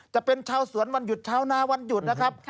จะเป็นชาวสวนวันหยุดชาวนาวันหยุดนะครับ